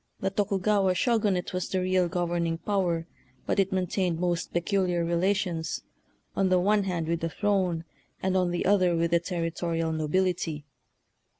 The Tokugawa Shogunate was the real governing power, but it maintained most peculiar relations, on the one hand with the throne, and on the other with the territorial nobility.